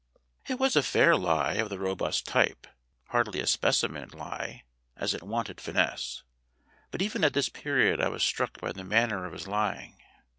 It was a fair lie of the robust type, hardly a specimen lie, as it wanted finesse. But even at this period I was struck by the manner of his lying.